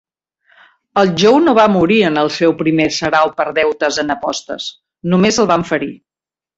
El Joe no va morir en el seu primer sarau per deutes en apostes, només el van ferir.